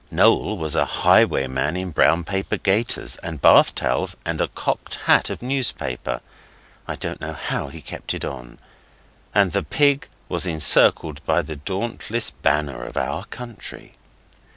Noel was a highwayman in brown paper gaiters and bath towels and a cocked hat of newspaper. I don't know how he kept it on. And the pig was encircled by the dauntless banner of our country.